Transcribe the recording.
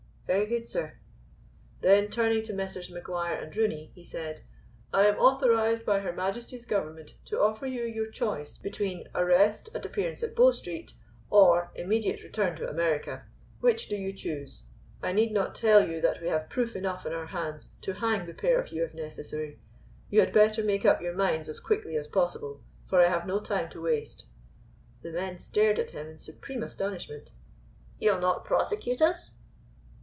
"Very good, sir." Then turning to Messrs. Maguire and Rooney, he said: "I am authorized by Her Majesty's Government to offer you your choice between arrest and appearance at Bow Street, or immediate return to America. Which do you choose? I need not tell you that we have proof enough in our hands to hang the pair of you if necessary. You had better make up your minds as quickly as possible, for I have no time to waste." The men stared at him in supreme astonishment. "You will not prosecute us?"